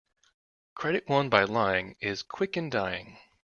Credit won by lying is quick in dying.